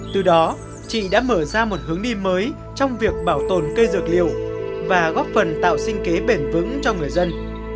từ đó chị đã mở ra một hướng đi mới trong việc bảo tồn cây dược liệu và góp phần tạo sinh kế bền vững cho người dân